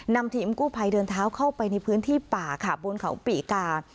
นำทีมกู้ภัยเดินเท้าเข้าไปในพื้นที่ป่าค่ะบนเขาปีกา